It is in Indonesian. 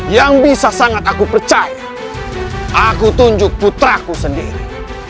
yang bisa sangat aku percaya aku tunjuk putraku sendiri